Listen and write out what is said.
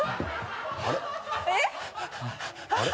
あれ？